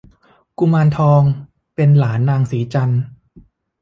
กุมารทองเป็นหลานนางสีจันทร์